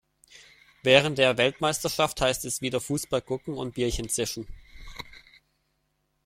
Während der Weltmeisterschaft heißt es wieder Fußball gucken und Bierchen zischen.